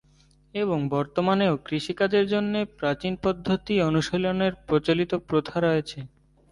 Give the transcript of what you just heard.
এবং বর্তমানেও, কৃষিকাজের জন্যে প্রাচীন পদ্ধতি অনুশীলনের প্রচলিত প্রথা রয়েছে।